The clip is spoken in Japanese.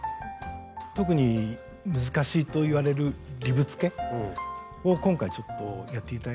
特に難しいといわれるリブつけを今回ちょっとやって頂いたんですけど。